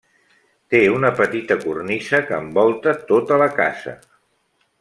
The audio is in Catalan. Té una petita cornisa que envolta tota la casa.